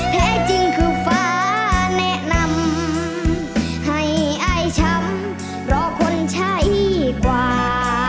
แท้จริงคือฟ้าแนะนำให้อายช้ำรอคนใช่กว่า